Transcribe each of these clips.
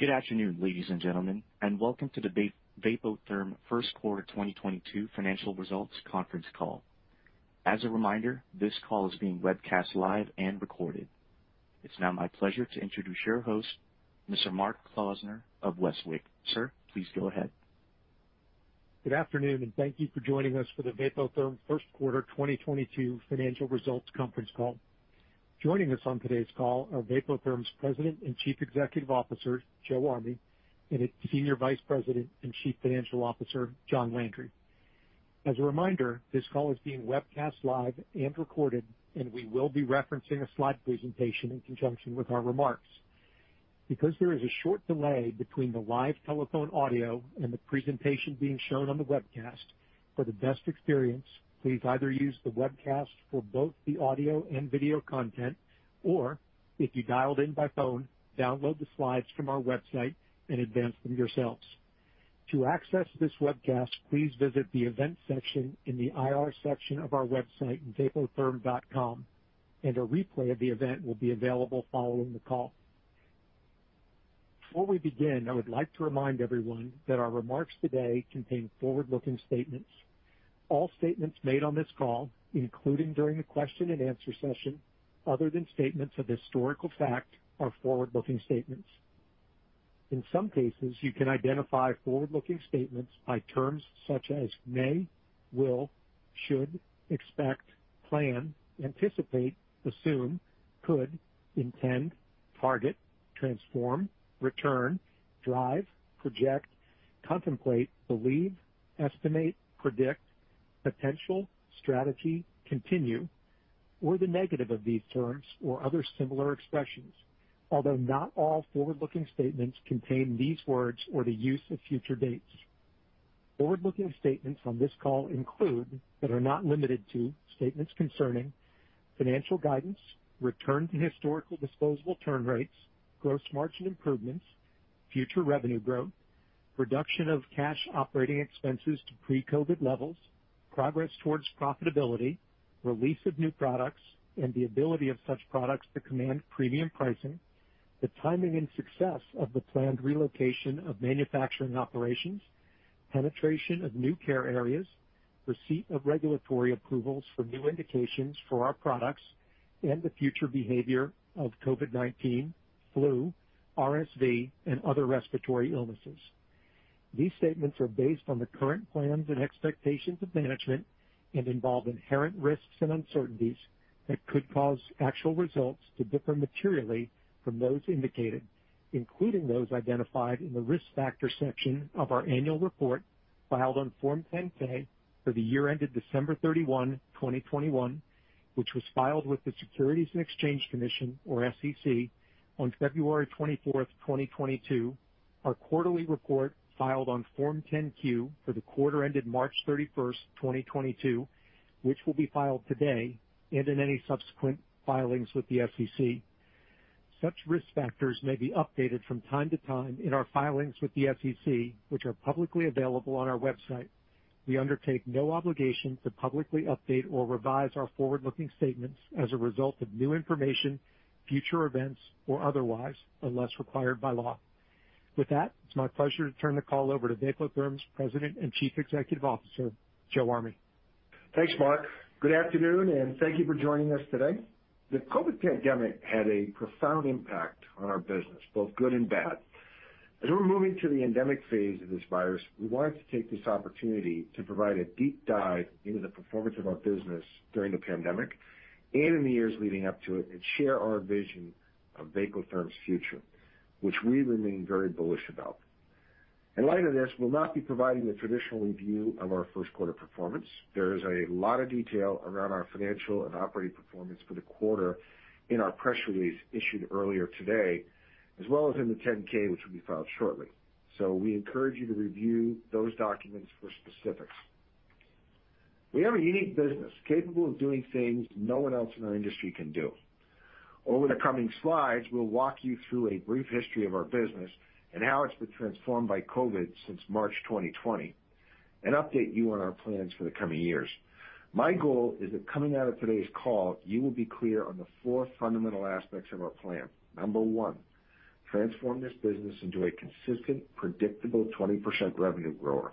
Good afternoon, ladies and gentlemen, and welcome to the Vapotherm First Quarter 2022 Financial Results Conference Call. As a reminder, this call is being webcast live and recorded. It's now my pleasure to introduce your host, Mr. Mark Klausner of Westwicke. Sir, please go ahead. Good afternoon, and thank you for joining us for the Vapotherm First Quarter 2022 Financial Results Conference Call. Joining us on today's call are Vapotherm's President and Chief Executive Officer, Joe Army, and its Senior Vice President and Chief Financial Officer, John Landry. As a reminder, this call is being webcast live and recorded, and we will be referencing a slide presentation in conjunction with our remarks. Because there is a short delay between the live telephone audio and the presentation being shown on the webcast, for the best experience, please either use the webcast for both the audio and video content, or if you dialed in by phone, download the slides from our website and advance them yourselves. To access this webcast, please visit the events section in the IR section of our website, vapotherm.com, and a replay of the event will be available following the call. Before we begin, I would like to remind everyone that our remarks today contain forward-looking statements. All statements made on this call, including during the question and answer session, other than statements of historical fact, are forward-looking statements. In some cases, you can identify forward-looking statements by terms such as may, will, should, expect, plan, anticipate, assume, could, intend, target, transform, return, drive, project, contemplate, believe, estimate, predict, potential, strategy, continue, or the negative of these terms, or other similar expressions, although not all forward-looking statements contain these words or the use of future dates. Forward-looking statements on this call include, but are not limited to, statements concerning financial guidance, return to historical disposable turn rates, gross margin improvements, future revenue growth, reduction of cash operating expenses to pre-COVID levels, progress towards profitability, release of new products, and the ability of such products to command premium pricing, the timing and success of the planned relocation of manufacturing operations, penetration of new care areas, receipt of regulatory approvals for new indications for our products, and the future behavior of COVID-19, flu, RSV, and other respiratory illnesses. These statements are based on the current plans and expectations of management and involve inherent risks and uncertainties that could cause actual results to differ materially from those indicated, including those identified in the Risk Factor section of our annual report filed on Form 10-K for the year ended December 31, 2021, which was filed with the Securities and Exchange Commission, or SEC, on February 24th, 2022, our quarterly report filed on Form 10-Q for the quarter ended March 31st, 2022, which will be filed today, and in any subsequent filings with the SEC. Such risk factors may be updated from time to time in our filings with the SEC, which are publicly available on our website. We undertake no obligation to publicly update or revise our forward-looking statements as a result of new information, future events, or otherwise, unless required by law. With that, it's my pleasure to turn the call over to Vapotherm's President and Chief Executive Officer, Joe Army. Thanks, Mark. Good afternoon, and thank you for joining us today. The COVID pandemic had a profound impact on our business, both good and bad. As we're moving to the endemic phase of this virus, we wanted to take this opportunity to provide a deep dive into the performance of our business during the pandemic and in the years leading up to it, and share our vision of Vapotherm's future, which we remain very bullish about. In light of this, we'll not be providing the traditional review of our first quarter performance. There is a lot of detail around our financial and operating performance for the quarter in our press release issued earlier today, as well as in the 10-K, which will be filed shortly. We encourage you to review those documents for specifics. We have a unique business capable of doing things no one else in our industry can do. Over the coming slides, we'll walk you through a brief history of our business and how it's been transformed by COVID since March 2020, and update you on our plans for the coming years. My goal is that coming out of today's call, you will be clear on the four fundamental aspects of our plan. Number one, transform this business into a consistent, predictable 20% revenue grower.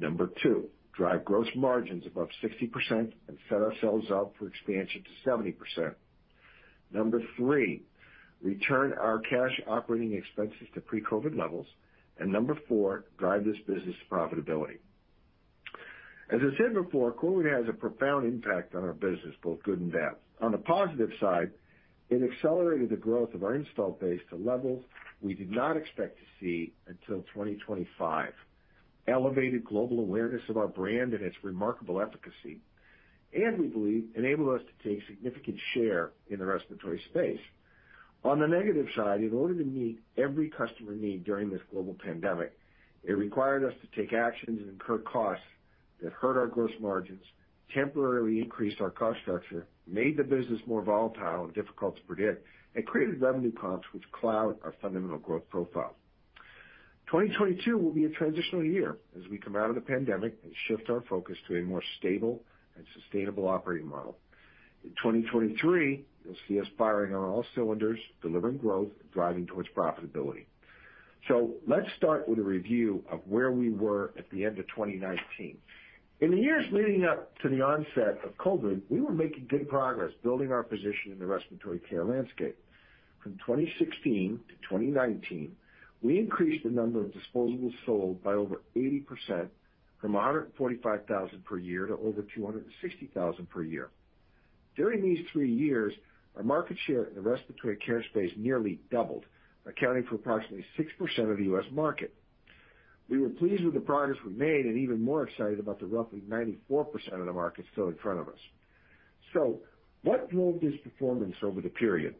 Number two, drive gross margins above 60% and set ourselves up for expansion to 70%. Number three, return our cash operating expenses to pre-COVID levels. Number four, drive this business to profitability. COVID has a profound impact on our business, both good and bad. On the positive side, it accelerated the growth of our installed base to levels we did not expect to see until 2025, elevated global awareness of our brand and its remarkable efficacy, and we believe enabled us to take significant share in the respiratory space. On the negative side, in order to meet every customer need during this global pandemic, it required us to take actions and incur costs that hurt our gross margins, temporarily increased our cost structure, made the business more volatile and difficult to predict, and created revenue comps which cloud our fundamental growth profile. 2022 will be a transitional year as we come out of the pandemic and shift our focus to a more stable and sustainable operating model. In 2023, you'll see us firing on all cylinders, delivering growth, driving towards profitability. Let's start with a review of where we were at the end of 2019. In the years leading up to the onset of COVID, we were making good progress building our position in the respiratory care landscape. From 2016 to 2019, we increased the number of disposables sold by over 80% from 145,000 per year to over 260,000 per year. During these three years, our market share in the respiratory care space nearly doubled, accounting for approximately 6% of the U.S. market. We were pleased with the progress we made and even more excited about the roughly 94% of the market still in front of us. So what drove this performance over the period?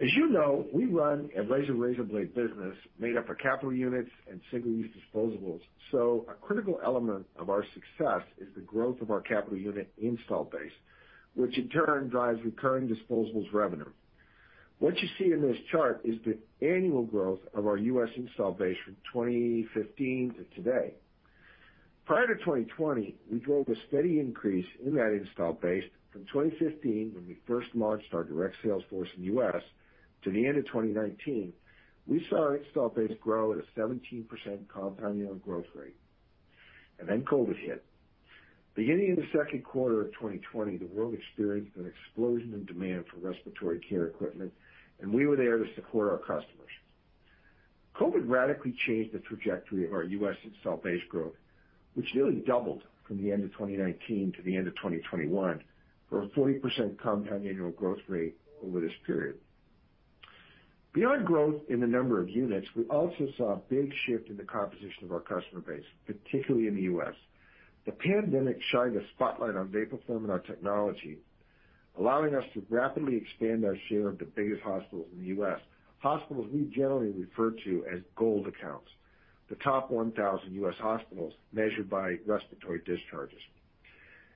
As you know, we run a razor-blade business made up of capital units and single-use disposables. A critical element of our success is the growth of our capital unit install base, which in turn drives recurring disposables revenue. What you see in this chart is the annual growth of our U.S. install base from 2015 to today. Prior to 2020, we drove a steady increase in that install base. From 2015, when we first launched our direct sales force in the U.S., to the end of 2019, we saw our install base grow at a 17% compound annual growth rate. And then COVID hit. Beginning in the second quarter of 2020, the world experienced an explosion in demand for respiratory care equipment, and we were there to support our customers. COVID radically changed the trajectory of our U.S. install base growth, which nearly doubled from the end of 2019 to the end of 2021, for a 40% compound annual growth rate over this period. Beyond growth in the number of units, we also saw a big shift in the composition of our customer base, particularly in the U.S. The pandemic shined a spotlight on Vapotherm and our technology, allowing us to rapidly expand our share of the biggest hospitals in the U.S. Hospitals we generally refer to as gold accounts, the top 1,000 U.S. hospitals measured by respiratory discharges.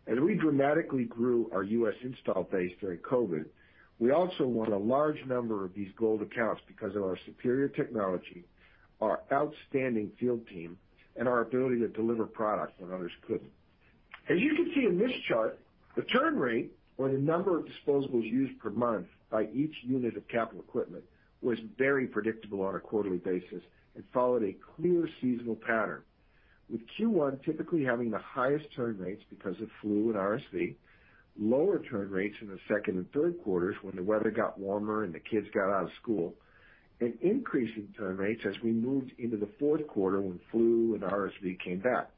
As we dramatically grew our U.S. install base during COVID, we also won a large number of these gold accounts because of our superior technology, our outstanding field team, and our ability to deliver product when others couldn't. As you can see in this chart, the turn rate or the number of disposables used per month by each unit of capital equipment was very predictable on a quarterly basis and followed a clear seasonal pattern. With Q1 typically having the highest turn rates because of flu and RSV, lower turn rates in the second and third quarters when the weather got warmer and the kids got out of school, an increase in turn rates as we moved into the fourth quarter when flu and RSV came back.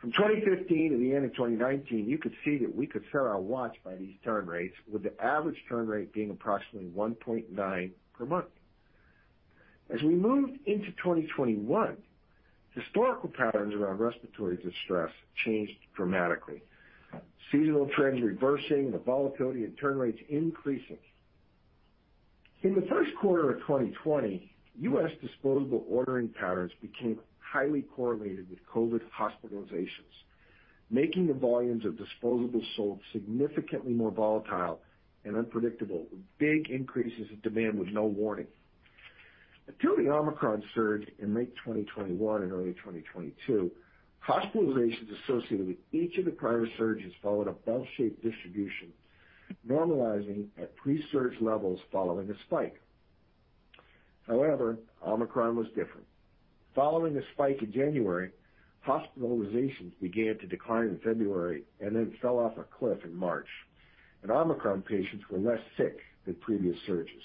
From 2015 to the end of 2019, you could see that we could set our watch by these turn rates, with the average turn rate being approximately 1.9 per month. As we moved into 2021, historical patterns around respiratory distress changed dramatically. Seasonal trends reversing, the volatility and turn rates increasing. In the first quarter of 2020, U.S. disposable ordering patterns became highly correlated with COVID hospitalizations, making the volumes of disposables sold significantly more volatile and unpredictable, with big increases in demand with no warning. Until the Omicron surge in late 2021 and early 2022, hospitalizations associated with each of the prior surges followed a bell-shaped distribution, normalizing at pre-surge levels following a spike. However, Omicron was different. Following a spike in January, hospitalizations began to decline in February and then fell off a cliff in March. And Omicron patients were less sick than previous surges.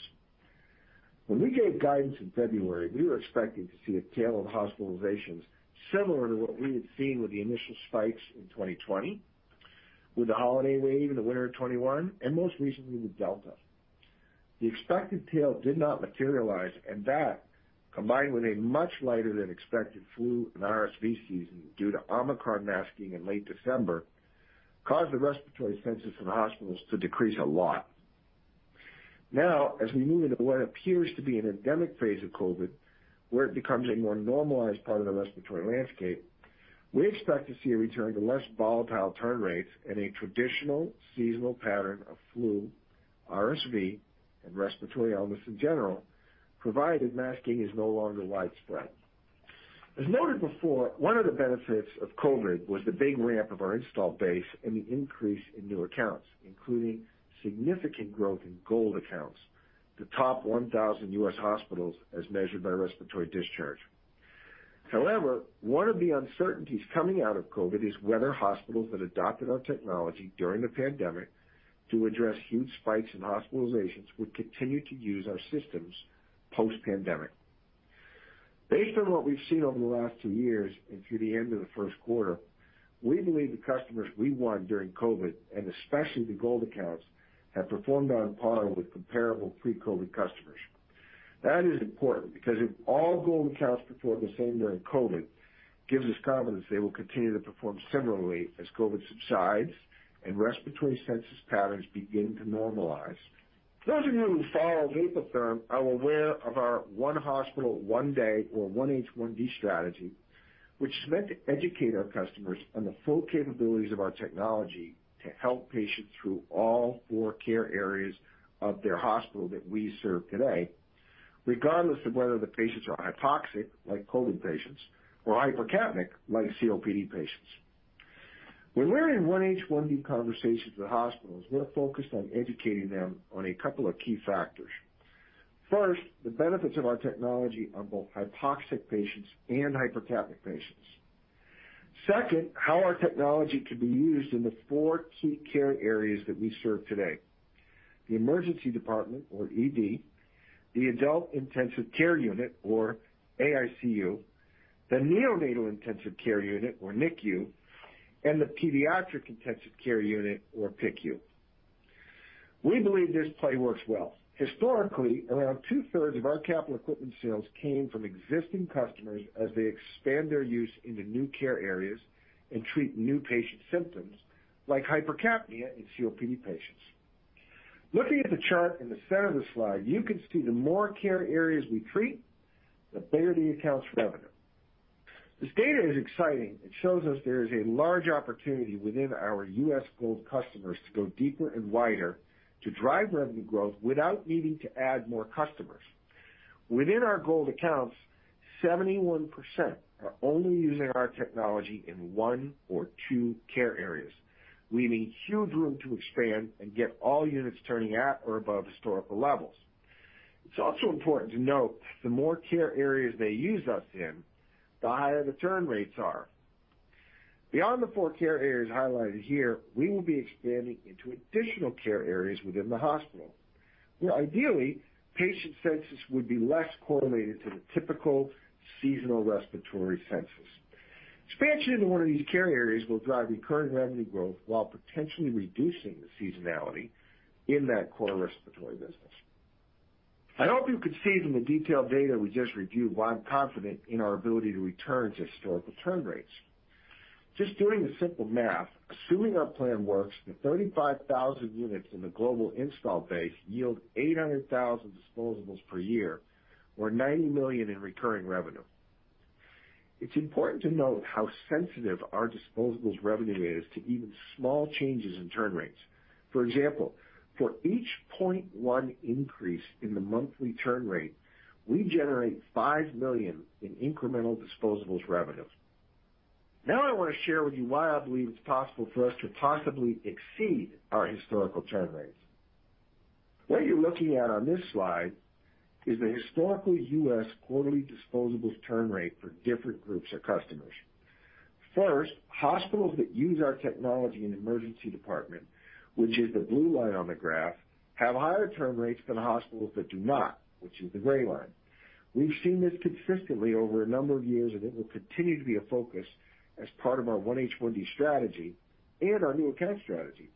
When we gave guidance in February, we were expecting to see a tail of hospitalizations similar to what we had seen with the initial spikes in 2020, with the holiday wave in the winter of 2021, and most recently with Delta. The expected tail did not materialize, and that, combined with a much lighter than expected flu and RSV season due to Omicron masking in late December, caused the respiratory census in hospitals to decrease a lot. Now, as we move into what appears to be an endemic phase of COVID, where it becomes a more normalized part of the respiratory landscape, we expect to see a return to less volatile turn rates and a traditional seasonal pattern of flu, RSV, and respiratory ailments in general, provided masking is no longer widespread. As noted before, one of the benefits of COVID was the big ramp of our install base and the increase in new accounts, including significant growth in gold accounts, the top 1,000 U.S. hospitals as measured by respiratory discharge. However, one of the uncertainties coming out of COVID is whether hospitals that adopted our technology during the pandemic to address huge spikes in hospitalizations would continue to use our systems post pandemic. Based on what we've seen over the last two years and through the end of the first quarter, we believe the customers we won during COVID, and especially the gold accounts, have performed on par with comparable pre-COVID customers. That is important because if all gold accounts perform the same during COVID, gives us confidence they will continue to perform similarly as COVID subsides and respiratory census patterns begin to normalize. Those of you who follow Vapotherm are aware of our one hospital, one day, or 1H1D strategy, which is meant to educate our customers on the full capabilities of our technology to help patients through all four care areas of their hospital that we serve today. Regardless of whether the patients are hypoxic, like COVID patients, or hypercapnic, like COPD patients. When we're in 1H1D conversations with hospitals, we're focused on educating them on a couple of key factors. First, the benefits of our technology on both hypoxic patients and hypercapnic patients. Second, how our technology can be used in the four key care areas that we serve today, the emergency department or ED, the adult intensive care unit or AICU, the neonatal intensive care unit or NICU, and the pediatric intensive care unit or PICU. We believe this play works well. Historically, around two-thirds of our capital equipment sales came from existing customers as they expand their use into new care areas and treat new patient symptoms like hypercapnia in COPD patients. Looking at the chart in the center of the slide, you can see the more care areas we treat, the bigger the accounts revenue. This data is exciting. It shows us there is a large opportunity within our U.S. gold customers to go deeper and wider to drive revenue growth without needing to add more customers. Within our gold accounts, 71% are only using our technology in one or two care areas, leaving huge room to expand and get all units turning at or above historical levels. It's also important to note the more care areas they use us in, the higher the turn rates are. Beyond the four care areas highlighted here, we will be expanding into additional care areas within the hospital, where ideally, patient census would be less correlated to the typical seasonal respiratory census. Expansion into one of these care areas will drive recurring revenue growth while potentially reducing the seasonality in that core respiratory business. I hope you could see from the detailed data we just reviewed why I'm confident in our ability to return to historical turn rates. Just doing the simple math, assuming our plan works, the 35,000 units in the global install base yield 800,000 disposables per year or $90 million in recurring revenue. It's important to note how sensitive our disposables revenue is to even small changes in turn rates. For example, for each 0.1 increase in the monthly turn rate, we generate $5 million in incremental disposables revenue. Now, I want to share with you why I believe it's possible for us to possibly exceed our historical turn rates. What you're looking at on this slide is the historical U.S. quarterly disposables turn rate for different groups of customers. First, hospitals that use our technology in emergency department, which is the blue line on the graph, have higher turn rates than hospitals that do not, which is the gray line. We've seen this consistently over a number of years, and it will continue to be a focus as part of our 1H1D strategy and our new account strategy.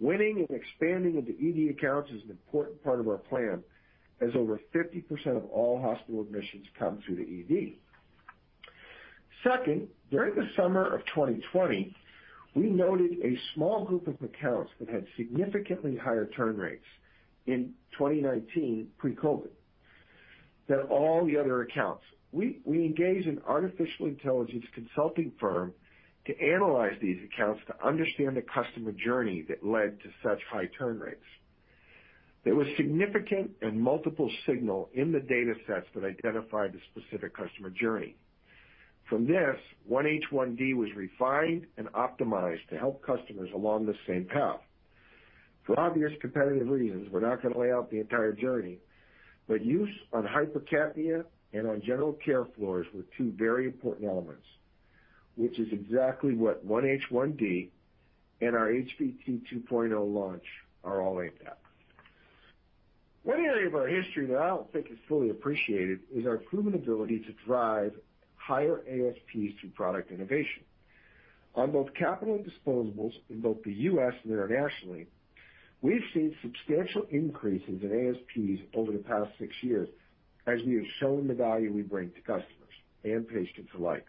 Winning and expanding into ED accounts is an important part of our plan, as over 50% of all hospital admissions come through the ED. Second, during the summer of 2020, we noted a small group of accounts that had significantly higher turn rates in 2019 pre-COVID than all the other accounts. We engaged an artificial intelligence consulting firm to analyze these accounts to understand the customer journey that led to such high turn rates. There was significant and multiple signal in the data sets that identified the specific customer journey. From this, 1H1D was refined and optimized to help customers along the same path. For obvious competitive reasons, we're not gonna lay out the entire journey, but use on hypercapnia and on general care floors were two very important elements, which is exactly what 1H1D and our HVT 2.0 launch are all aimed at. One area of our history that I don't think is fully appreciated is our proven ability to drive higher ASPs through product innovation. On both capital and disposables in both the U.S. and internationally, we've seen substantial increases in ASPs over the past six years as we have shown the value we bring to customers and patients alike.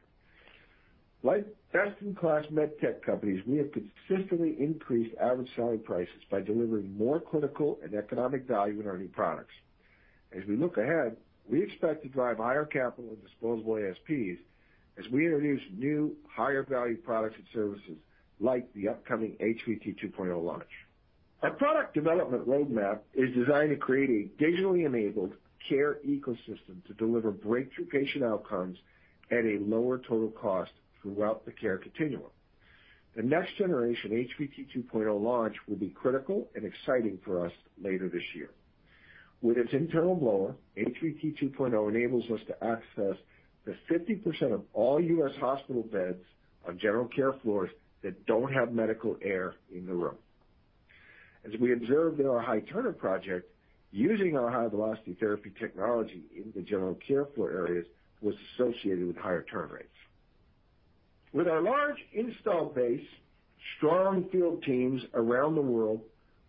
Like best-in-class med tech companies, we have consistently increased average selling prices by delivering more clinical and economic value in our new products. As we look ahead, we expect to drive higher capital and disposable ASPs as we introduce new higher value products and services like the upcoming HVT 2.0 launch. Our product development roadmap is designed to create a digitally enabled care ecosystem to deliver breakthrough patient outcomes at a lower total cost throughout the care continuum. The next generation HVT 2.0 launch will be critical and exciting for us later this year. With its internal blower, HVT 2.0 enables us to access the 50% of all U.S. hospital beds on general care floors that don't have medical air in the room. As we observed in our high Turner project, using our High Velocity Therapy technology in the general care floor areas was associated with higher turn rates. With our large installed base, strong field teams around the world,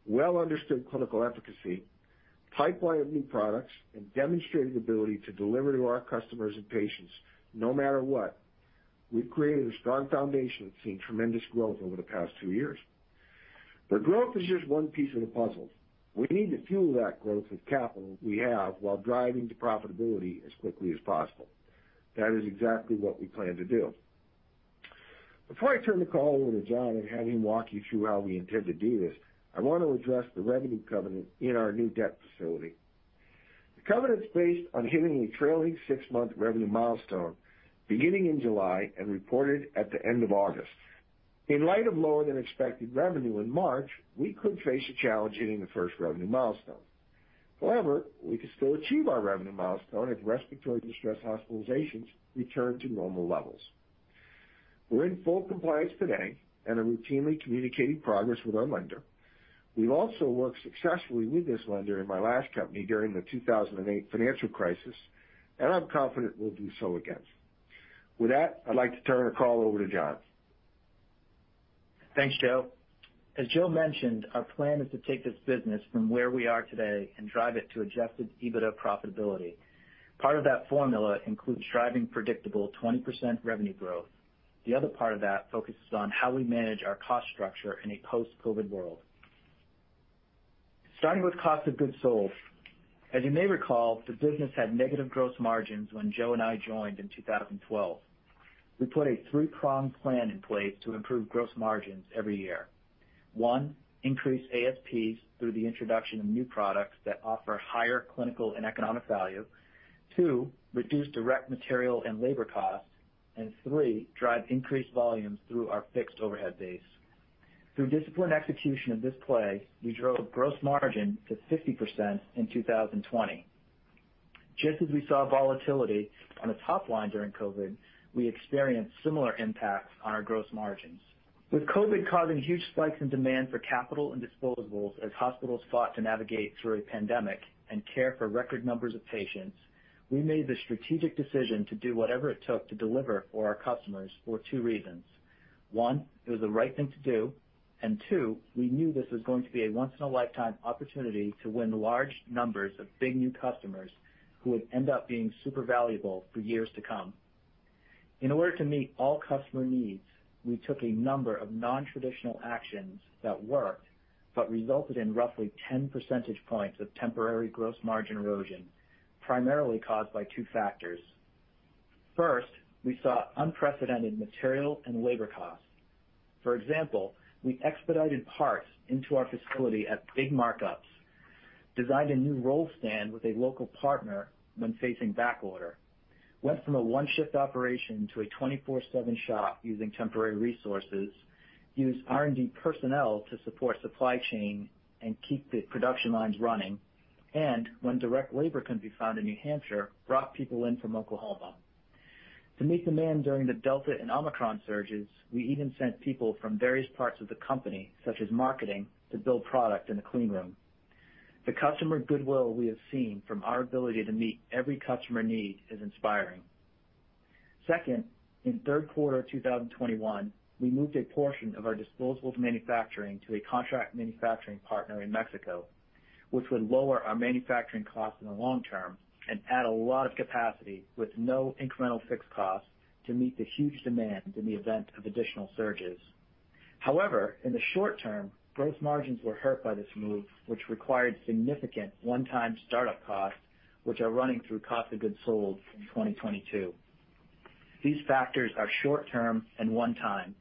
well-understood clinical efficacy, pipeline of new products, and demonstrated ability to deliver to our customers and patients no matter what, we've created a strong foundation that's seen tremendous growth over the past two years. Growth is just one piece of the puzzle. We need to fuel that growth with capital we have while driving to profitability as quickly as possible. That is exactly what we plan to do. Before I turn the call over to John and have him walk you through how we intend to do this, I wanna address the revenue covenant in our new debt facility. The covenant's based on hitting a trailing six-month revenue milestone beginning in July and reported at the end of August. In light of lower than expected revenue in March, we could face a challenge hitting the first revenue milestone. However, we could still achieve our revenue milestone if respiratory distress hospitalizations return to normal levels. We're in full compliance today and are routinely communicating progress with our lender. We've also worked successfully with this lender in my last company during the 2008 financial crisis, and I'm confident we'll do so again. With that, I'd like to turn the call over to John. Thanks, Joe. As Joe mentioned, our plan is to take this business from where we are today and drive it to adjusted EBITDA profitability. Part of that formula includes driving predictable 20% revenue growth. The other part of that focuses on how we manage our cost structure in a post-COVID world. Starting with cost of goods sold. As you may recall, the business had negative gross margins when Joe and I joined in 2012. We put a three-pronged plan in place to improve gross margins every year. One, increase ASPs through the introduction of new products that offer higher clinical and economic value. Two, reduce direct material and labor costs. And three, drive increased volumes through our fixed overhead base. Through disciplined execution of this plan, we drove gross margin to 50% in 2020. Just as we saw volatility on the top line during COVID, we experienced similar impacts on our gross margins. With COVID causing huge spikes in demand for capital and disposables as hospitals fought to navigate through a pandemic and care for record numbers of patients, we made the strategic decision to do whatever it took to deliver for our customers for two reasons. One, it was the right thing to do, and two, we knew this was going to be a once in a lifetime opportunity to win large numbers of big new customers who would end up being super valuable for years to come. In order to meet all customer needs, we took a number of non-traditional actions that worked, but resulted in roughly 10 percentage points of temporary gross margin erosion, primarily caused by two factors. First, we saw unprecedented material and labor costs. For example, we expedited parts into our facility at big markups, designed a new roll stand with a local partner when facing backorder, went from a one-shift operation to a 24/7 shop using temporary resources, used R&D personnel to support supply chain and keep the production lines running, and when direct labor couldn't be found in New Hampshire, brought people in from Oklahoma. To meet demand during the Delta and Omicron surges, we even sent people from various parts of the company, such as marketing, to build product in a clean room. The customer goodwill we have seen from our ability to meet every customer need is inspiring. Second, in third quarter 2021, we moved a portion of our disposables manufacturing to a contract manufacturing partner in Mexico, which would lower our manufacturing costs in the long term and add a lot of capacity with no incremental fixed costs to meet the huge demand in the event of additional surges. However, in the short term, gross margins were hurt by this move, which required significant one-time start-up costs, which are running through cost of goods sold in 2022. These factors are short-term and one-time.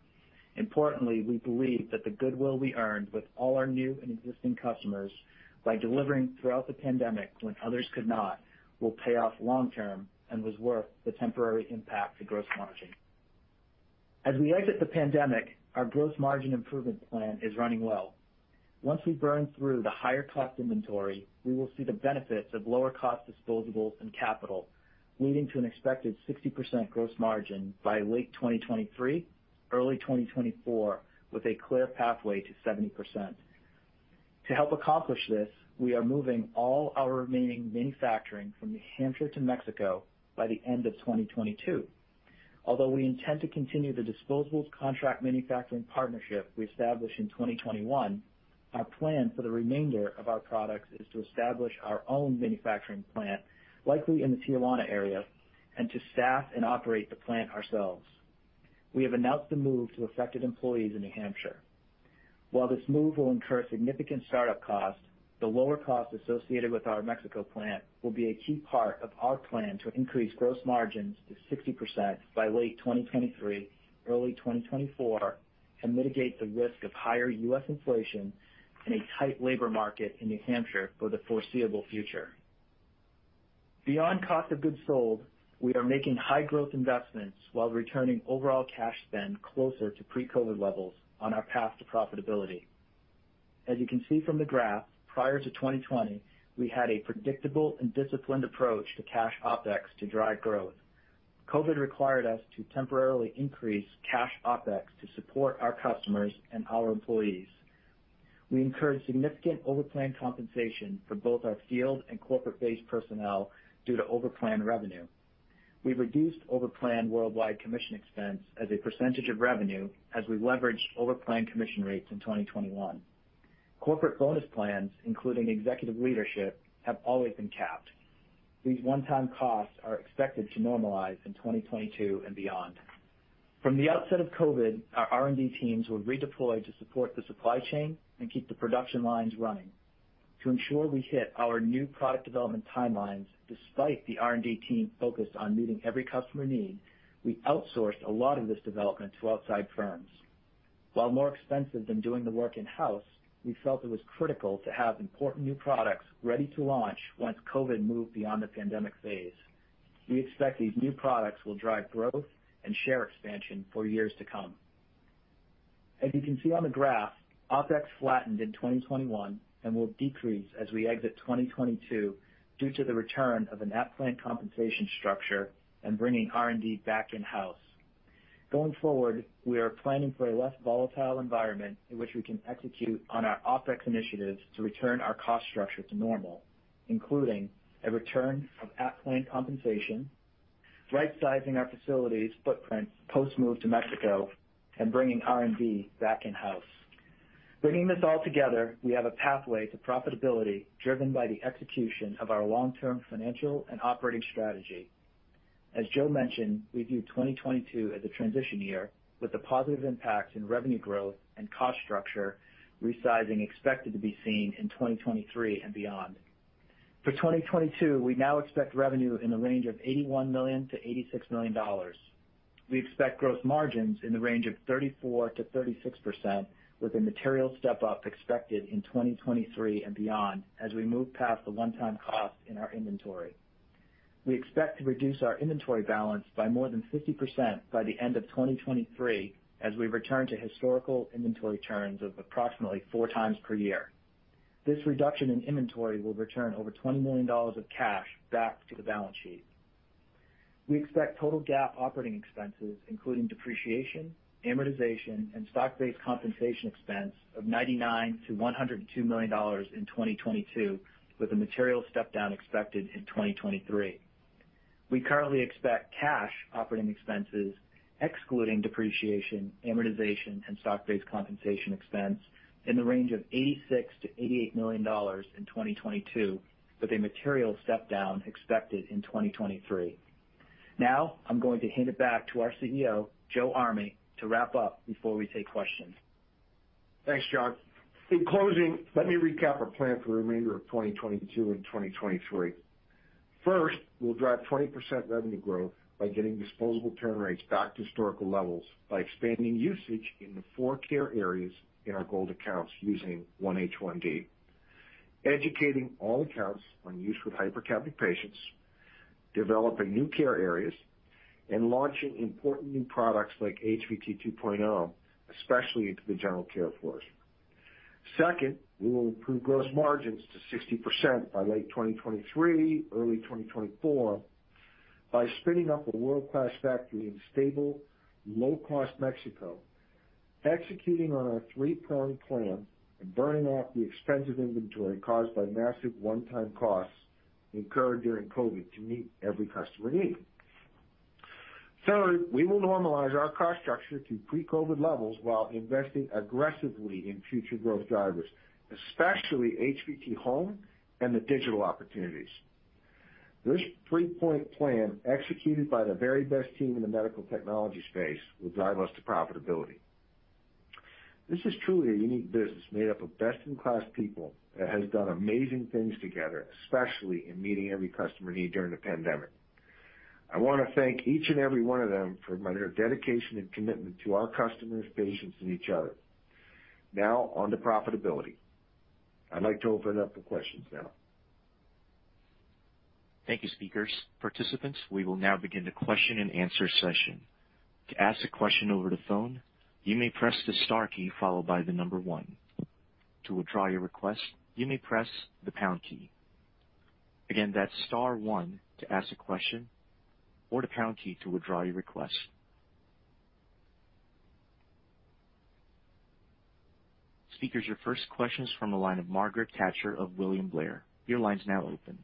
Importantly, we believe that the goodwill we earned with all our new and existing customers by delivering throughout the pandemic when others could not, will pay off long term and was worth the temporary impact to gross margin. As we exit the pandemic, our gross margin improvement plan is running well. Once we burn through the higher cost inventory, we will see the benefits of lower cost disposables and capital, leading to an expected 60% gross margin by late 2023, early 2024, with a clear pathway to 70%. To help accomplish this, we are moving all our remaining manufacturing from New Hampshire to Mexico by the end of 2022. Although we intend to continue the disposables contract manufacturing partnership we established in 2021, our plan for the remainder of our products is to establish our own manufacturing plant, likely in the Tijuana area, and to staff and operate the plant ourselves. We have announced the move to affected employees in New Hampshire. While this move will incur significant start-up costs, the lower cost associated with our Mexico plant will be a key part of our plan to increase gross margins to 60% by late 2023, early 2024, and mitigate the risk of higher U.S. inflation and a tight labor market in New Hampshire for the foreseeable future. Beyond cost of goods sold, we are making high growth investments while returning overall cash spend closer to pre-COVID levels on our path to profitability. As you can see from the graph, prior to 2020, we had a predictable and disciplined approach to cash OpEx to drive growth. COVID required us to temporarily increase cash OpEx to support our customers and our employees. We incurred significant overplan compensation for both our field and corporate-based personnel due to overplan revenue. We've reduced overplan worldwide commission expense as a percentage of revenue as we leveraged overplan commission rates in 2021. Corporate bonus plans, including executive leadership, have always been capped. These one-time costs are expected to normalize in 2022 and beyond. From the outset of COVID, our R&D teams were redeployed to support the supply chain and keep the production lines running. To ensure we hit our new product development timelines despite the R&D team focused on meeting every customer need, we outsourced a lot of this development to outside firms. While more expensive than doing the work in-house, we felt it was critical to have important new products ready to launch once COVID moved beyond the pandemic phase. We expect these new products will drive growth and share expansion for years to come. As you can see on the graph, OpEx flattened in 2021 and will decrease as we exit 2022 due to the return of an at-plant compensation structure and bringing R&D back in-house. Going forward, we are planning for a less volatile environment in which we can execute on our OpEx initiatives to return our cost structure to normal, including a return of at-plant compensation, rightsizing our facilities' footprint post move to Mexico, and bringing R&D back in-house. Bringing this all together, we have a pathway to profitability driven by the execution of our long-term financial and operating strategy. As Joe mentioned, we view 2022 as a transition year with a positive impact in revenue growth and cost structure resizing expected to be seen in 2023 and beyond. For 2022, we now expect revenue in the range of $81 million-$86 million. We expect gross margins in the range of 34%-36% with a material step-up expected in 2023 and beyond as we move past the one-time cost in our inventory. We expect to reduce our inventory balance by more than 50% by the end of 2023 as we return to historical inventory turns of approximately four times per year. This reduction in inventory will return over $20 million of cash back to the balance sheet. We expect total GAAP operating expenses, including depreciation, amortization, and stock-based compensation expense of $99 million-$102 million in 2022, with a material step down expected in 2023. We currently expect cash operating expenses excluding depreciation, amortization, and stock-based compensation expense in the range of $86 million-$88 million in 2022, with a material step down expected in 2023. Now, I'm going to hand it back to our CEO, Joe Army, to wrap up before we take questions. Thanks, John. In closing, let me recap our plan for the remainder of 2022 and 2023. First, we'll drive 20% revenue growth by getting disposable turn rates back to historical levels by expanding usage in the four care areas in our gold accounts using 1H1D, educating all accounts on use with hypercapnic patients, developing new care areas, and launching important new products like HVT 2.0, especially to the general care floors. Second, we will improve gross margins to 60% by late 2023, early 2024 by spinning up a world-class factory in stable, low-cost Mexico, executing on our three-prong plan, and burning off the expensive inventory caused by massive one-time costs incurred during COVID to meet every customer need. Third, we will normalize our cost structure to pre-COVID levels while investing aggressively in future growth drivers, especially HVT Home and the digital opportunities. This three-point plan executed by the very best team in the medical technology space will drive us to profitability. This is truly a unique business made up of best-in-class people that has done amazing things together, especially in meeting every customer need during the pandemic. I wanna thank each and every one of them for their dedication and commitment to our customers, patients, and each other. Now on to profitability. I'd like to open it up for questions now. Thank you, speakers. Participants, we will now begin the question and answer session. To ask a question over the phone, you may press the star key followed by the number one. To withdraw your request, you may press the pound key. Again, that's star one to ask a question or the pound key to withdraw your request. Speakers, your first question is from the line of Margaret Kaczor of William Blair. Your line's now open.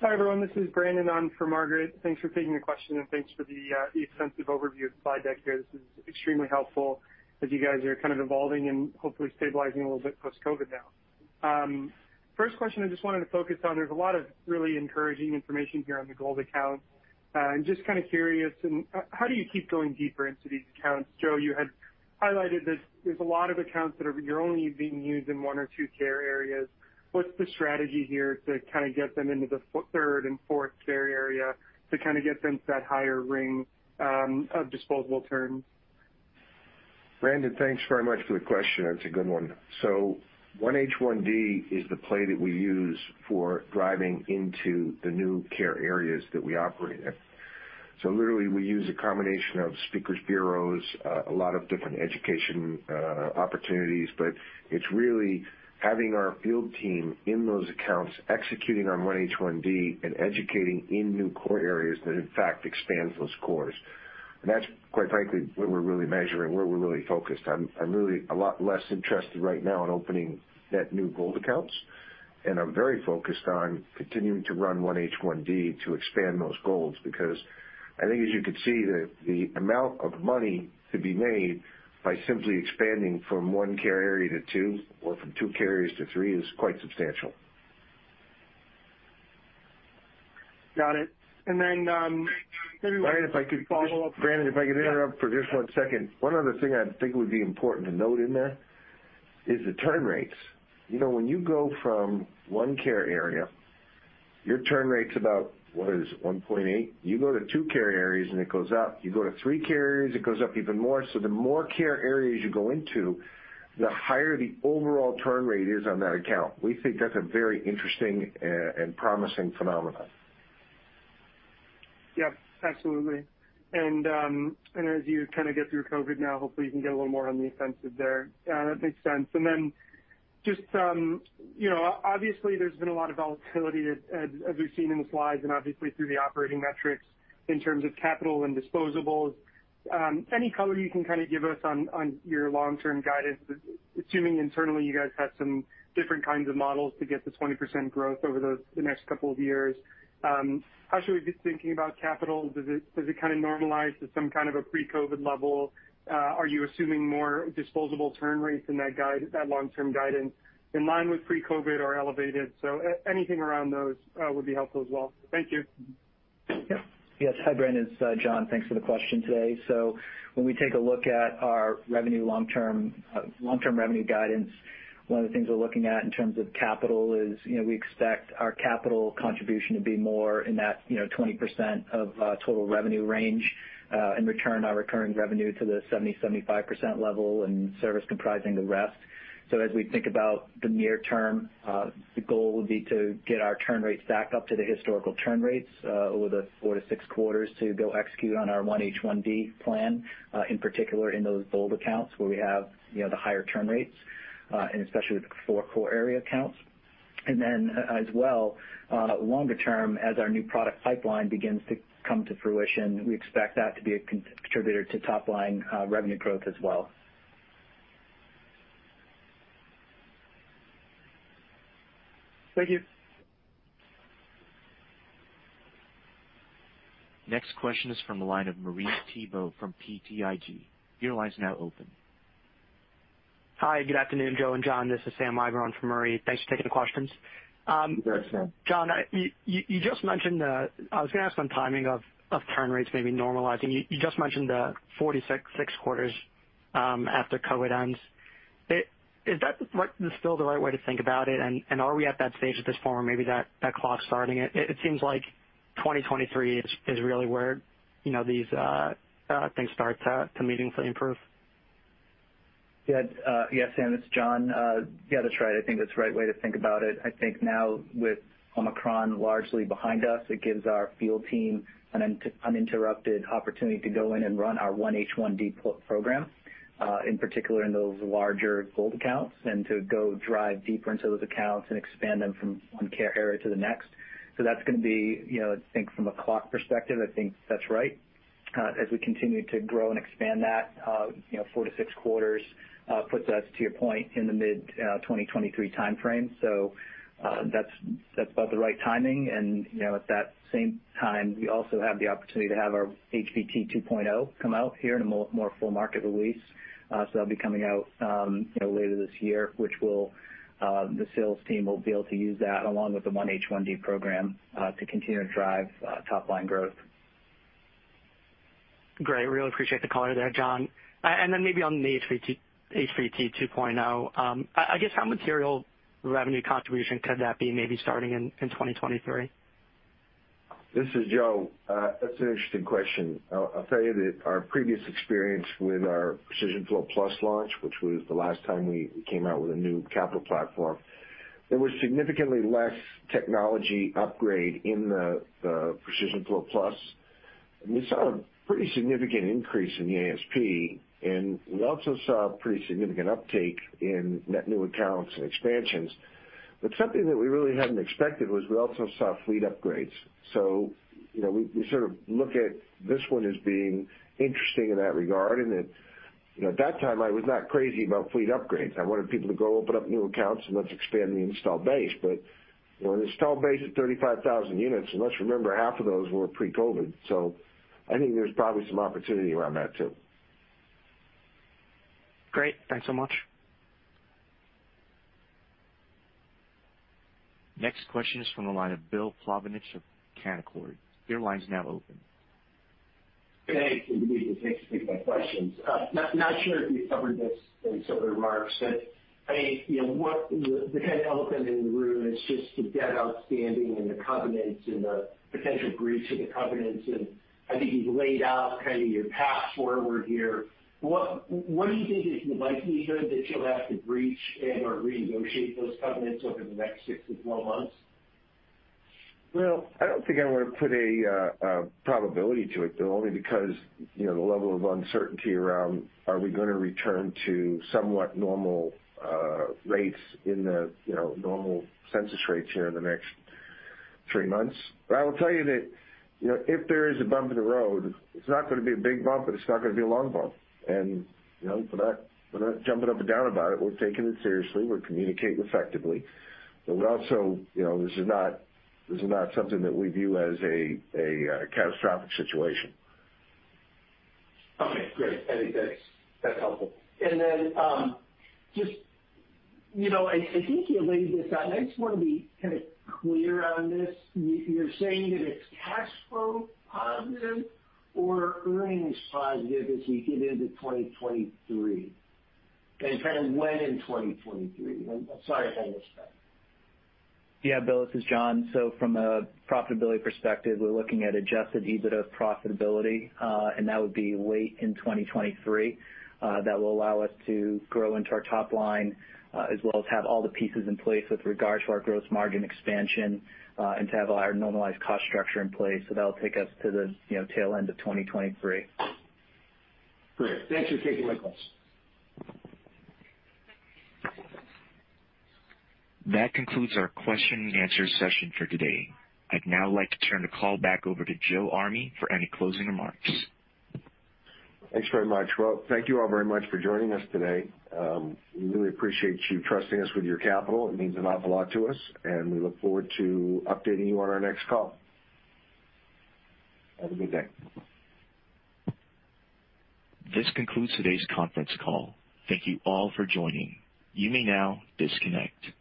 Hi, everyone. This is Brandon on for Margaret. Thanks for taking the question, and thanks for the extensive overview of the slide deck here. This is extremely helpful as you guys are kind of evolving and hopefully stabilizing a little bit post-COVID now. First question I just wanted to focus on, there's a lot of really encouraging information here on the gold accounts. I'm just kind of curious how do you keep going deeper into these accounts? Joe Army, you had highlighted that there's a lot of accounts that are only being used in one or two care areas. What's the strategy here to kind of get them into the third and fourth care area to kind of get them to that higher ring of disposable turns? Brandon, thanks very much for the question. That's a good one. 1H1D is the play that we use for driving into the new care areas that we operate in. Literally, we use a combination of speakers bureaus, a lot of different education opportunities, but it's really having our field team in those accounts executing on 1H1D and educating in new care areas that in fact expands those cares. That's quite frankly what we're really measuring, where we're really focused. I'm really a lot less interested right now in opening net new gold accounts, and I'm very focused on continuing to run 1H1D to expand those golds because I think as you can see, the amount of money to be made by simply expanding from one care area to two or from two care areas to three is quite substantial. Got it. All right, if I could just. Follow up. Brandon, if I could interrupt for just one second. One other thing I think would be important to note in there is the turn rates. You know, when you go from one care area, your turn rate's about, what is it, 1.8. You go to two care areas, and it goes up. You go to three care areas, it goes up even more. The more care areas you go into, the higher the overall turn rate is on that account. We think that's a very interesting and promising phenomenon. Yeah, absolutely. As you kind of get through COVID now, hopefully you can get a little more on the offensive there. That makes sense. Just, you know, obviously, there's been a lot of volatility, as we've seen in the slides and obviously through the operating metrics in terms of capital and disposables. Any color you can kind of give us on your long-term guidance, assuming internally you guys have some different kinds of models to get to 20% growth over the next couple of years. How should we be thinking about capital? Does it kind of normalize to some kind of a pre-COVID level? Are you assuming more disposable turn rates in that long-term guidance in line with pre-COVID or elevated? Anything around those would be helpful as well. Thank you. Yeah. Yes. Hi, Brandon. It's John. Thanks for the question today. When we take a look at our revenue long-term revenue guidance, one of the things we're looking at in terms of capital is, you know, we expect our capital contribution to be more in that, you know, 20% of total revenue range, and return our recurring revenue to the 70%-75% level and service comprising the rest. As we think about the near term, the goal would be to get our turn rates back up to the historical turn rates over the four to six quarters to go execute on our 1H1D plan, in particular in those gold accounts where we have, you know, the higher turn rates, and especially with the four core area accounts. As well, longer term, as our new product pipeline begins to come to fruition, we expect that to be a contributor to top line revenue growth as well. Thank you. Next question is from the line of Marie Thibault from BTIG. Your line is now open. Hi, good afternoon, Joe and John. This is Sam Eiber on for Marie. Thanks for taking the questions. You bet, Sam. John, you just mentioned. I was gonna ask on timing of turn rates maybe normalizing. You just mentioned four to six, six quarters after COVID ends. Is that still the right way to think about it? Are we at that stage at this point where maybe that clock's starting? It seems like 2023 is really where, you know, these things start to meaningfully improve. Yes, Sam, it's John. Yeah, that's right. I think that's the right way to think about it. I think now with Omicron largely behind us, it gives our field team an uninterrupted opportunity to go in and run our 1H1D program, in particular in those larger gold accounts, and to go drive deeper into those accounts and expand them from one care area to the next. That's gonna be, you know, I think from a clock perspective, I think that's right. As we continue to grow and expand that, you know, four to six quarters puts us to your point in the mid-2023 timeframe. So that's about the right timing. You know, at that same time, we also have the opportunity to have our HVT 2.0 come out here in a more full market release. So that'll be coming out, you know, later this year, which will, the sales team will be able to use that along with the 1H1D program, to continue to drive, top line growth. Great. Really appreciate the color there, John. Maybe on the HVT 2.0, I guess how material revenue contribution could that be maybe starting in 2023? This is Joe. That's an interesting question. I'll tell you that our previous experience with our Precision Flow Plus launch, which was the last time we came out with a new capital platform, there was significantly less technology upgrade in the Precision Flow Plus. We saw a pretty significant increase in the ASP, and we also saw a pretty significant uptake in net new accounts and expansions. But something that we really hadn't expected was we also saw fleet upgrades. So you know, we sort of look at this one as being interesting in that regard. And you know, at that time, I was not crazy about fleet upgrades. I wanted people to go open up new accounts and let's expand the install base. But you know, an install base at 35,000 units, and let's remember half of those were pre-COVID. So I think there's probably some opportunity around that too. Great. Thanks so much. Next question is from the line of Bill Plovanic of Canaccord. Your line's now open. Good day. Good to be here. Thanks for taking my questions. Not sure if you've covered this in some of the remarks, but, I mean, you know what the kind of elephant in the room is just the debt outstanding and the covenants and the potential breach of the covenants. I think you've laid out kind of your path forward here. What do you think is the likelihood that you'll have to breach and/or renegotiate those covenants over the next six to 12 months? Well, I don't think I wanna put a probability to it, Bill, only because, you know, the level of uncertainty around are we gonna return to somewhat normal rates in the, you know, normal census rates here in the next three months. I will tell you that, you know, if there is a bump in the road, it's not gonna be a big bump, but it's not gonna be a long bump. You know, we're not jumping up and down about it. We're taking it seriously. We're communicating effectively. We also, you know, this is not something that we view as a catastrophic situation. Okay, great. I think that's helpful. Just, you know, I think you laid this out, and I just wanna be kind of clear on this. You're saying that it's cash flow positive or earnings positive as we get into 2023? Kind of when in 2023? I'm sorry if I missed that. Yeah, Bill, this is John. From a profitability perspective, we're looking at adjusted EBITDA profitability, and that would be late in 2023. That will allow us to grow into our top line, as well as have all the pieces in place with regard to our gross margin expansion, and to have our normalized cost structure in place. That'll take us to the, you know, tail end of 2023. Great. Thanks for taking my calls. That concludes our question and answer session for today. I'd now like to turn the call back over to Joe Army for any closing remarks. Thanks very much. Well, thank you all very much for joining us today. We really appreciate you trusting us with your capital. It means an awful lot to us, and we look forward to updating you on our next call. Have a good day. This concludes today's conference call. Thank you all for joining. You may now disconnect.